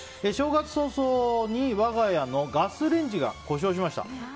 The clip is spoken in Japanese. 正月早々に我が家のガスレンジが故障しました。